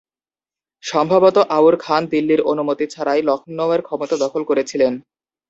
সম্ভবত আউর খান দিল্লীর অনুমতি ছাড়াই লখনৌতির ক্ষমতা দখল করেছিলেন।